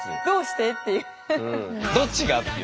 どっちがっていう。